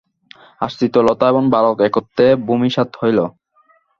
আশ্রিত লতা এবং বালক একত্রে ভূমিসাৎ হইল।